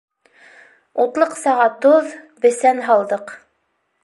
Утлыҡсаға тоҙ, бесән һалдыҡ.